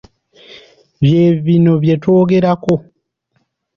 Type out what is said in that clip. Bye bino bye twogerako.